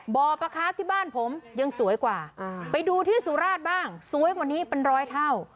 บ่อปลาค้าที่บ้านผมยังสวยกว่าไปดูที่สุราชบ้างสวยกว่านี้เป็นร้อยเท่า